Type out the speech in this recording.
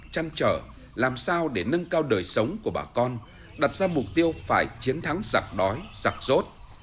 chăn trở làm sao để nâng cao đời sống của bà con đặt ra mục tiêu phải chiến thắng giặc đói giặc rốt